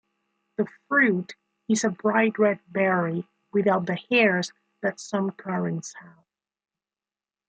The fruit is a bright red berry, without the hairs that some currants have.